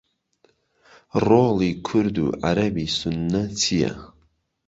ڕۆڵی کورد و عەرەبی سوننە چییە؟